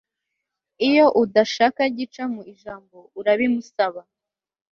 iyo udashaka gica mu ijambo, urabimusaba